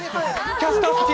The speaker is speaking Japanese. キャスター付き？